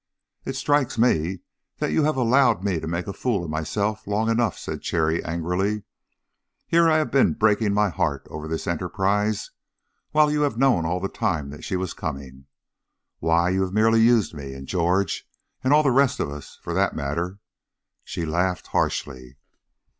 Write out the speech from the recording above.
"It strikes me that you have allowed me to make a fool of myself long enough," said Cherry, angrily. "Here I have been breaking my heart over this enterprise, while you have known all the time that she was coming. Why, you have merely used me and George, and all the rest of us, for that matter " She laughed harshly.